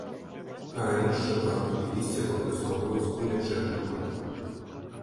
Карэнішча, траву і лісце выкарыстоўваюць у лячэбных мэтах.